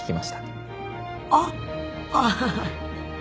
あっああ。